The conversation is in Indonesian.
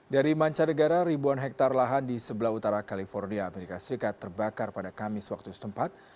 dari mancanegara ribuan hektare lahan di sebelah utara california amerika serikat terbakar pada kamis waktu setempat